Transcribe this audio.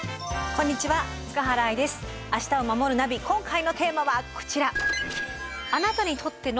今回のテーマはこちら。